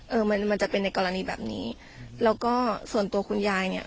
เออมันมันจะเป็นในกรณีแบบนี้แล้วก็ส่วนตัวคุณยายเนี้ย